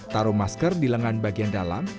taruh masker di lengan bagian dalam